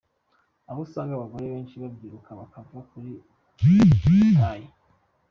Aho usanga abagore benshi babyibuha bakava kuri taille,.